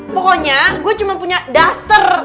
pokoknya gue cuma punya duster